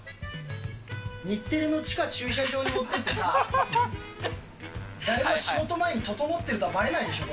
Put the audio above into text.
日テレの地下駐車場に持ってってさ、誰も仕事前にととのってるってばれないでしょう。